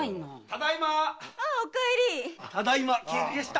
ただいま帰りました！